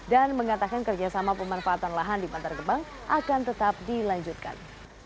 dan mengatakan kerjasama pemanfaatan lahan di mantar gebang akan tetap dilanjutkan